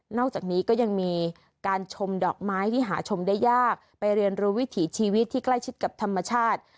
อกจากนี้ก็ยังมีการชมดอกไม้ที่หาชมได้ยากไปเรียนรู้วิถีชีวิตที่ใกล้ชิดกับธรรมชาติ